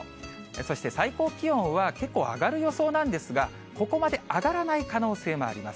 そして、最高気温は結構上がる予想なんですが、ここまで上がらない可能性もあります。